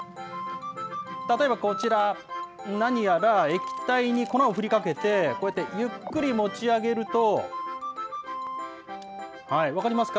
例えばこちら、何やら液体に粉を振りかけて、こうやってゆっくり持ち上げると、分かりますか？